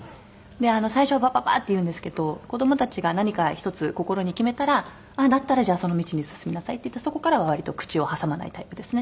最初はバババーッて言うんですけど子どもたちが何か一つ心に決めたら「だったらじゃあその道に進みなさい」って言ってそこからは割と口を挟まないタイプですね。